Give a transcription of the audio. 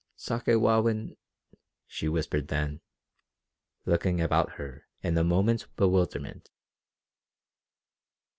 "Sakewawin," she whispered then, looking about her in a moment's bewilderment.